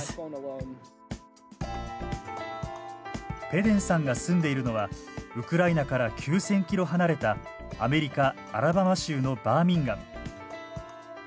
ペデンさんが住んでいるのはウクライナから９，０００キロ離れたアメリカ・アラバマ州のバーミンガム。